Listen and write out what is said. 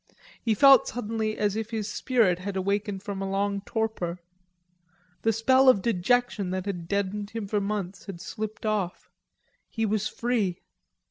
He felt suddenly as if his spirit had awakened from a long torpor. The spell of dejection that had deadened him for months had slipped off. He was free.